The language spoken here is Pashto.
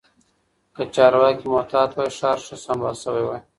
که چارواکي محتاط وای، ښار ښه سمبال شوی وای.